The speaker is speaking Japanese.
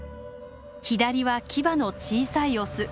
左はキバの小さいオス。